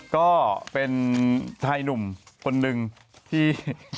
ก็เป็นชายหนุ่มคนหนึ่งที่